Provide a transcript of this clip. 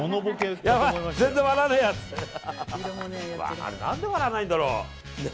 あれ何で笑わないんだろう。